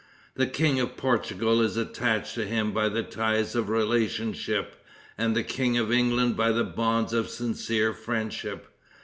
The King of Portugal is attached to him by the ties of relationship, and the King of England by the bonds of sincere friendship.